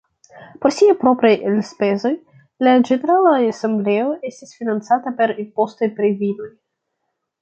Por siaj propraj elspezoj, la ĝenerala Asembleo estis financata per impostoj pri vinoj.